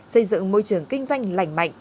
xây dựng môi trường kinh doanh lành mạnh